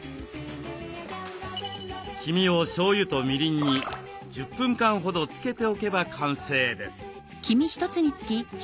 黄身をしょうゆとみりんに１０分間ほど漬けておけば完成です。